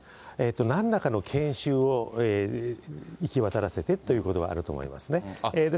なんらかの研修を行き渡らせてということはあると思いますね。